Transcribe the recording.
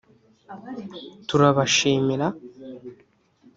turabashimira…”